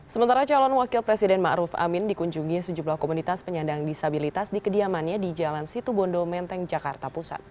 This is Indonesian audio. sementara calon wakil presiden ⁇ maruf ⁇ amin dikunjungi sejumlah komunitas penyandang disabilitas di kediamannya di jalan situbondo menteng jakarta pusat